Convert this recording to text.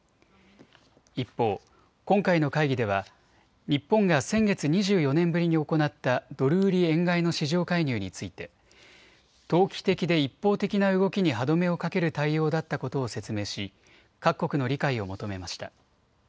一方、今回の会議では日本が先月２４年ぶりに行ったドル売り円買いの市場介入について、投機的で一方的な動きに歯止めをかける対応だったことを説明し各国の理解を求めました。